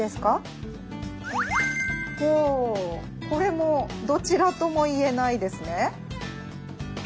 これもどちらとも言えないですね。